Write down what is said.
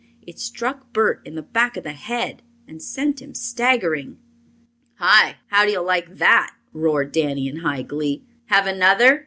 It struck Bert in the back of the head and sent him staggering. "Hi! how do you like that?" roared Danny, in high glee. "Have another?"